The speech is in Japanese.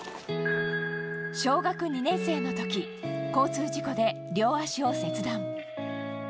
小学２年生の時交通事故で両足を切断。